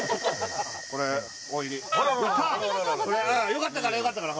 よかったからよかったから。